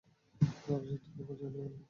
তারপর শত্রুর উপর ঝাঁপিয়ে পড়লাম।